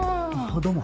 どうも。